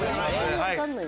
分かんない